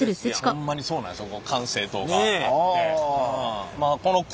ほんまにそうなんですよ。